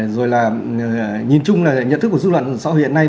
rồi là nhìn chung là nhận thức của dư luận xã hội hiện nay